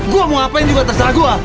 gua mau ngapain juga terserah gua